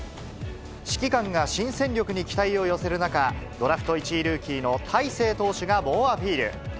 指揮官が新戦力に期待を寄せる中、ドラフト１位ルーキーの大勢投手が猛アピール。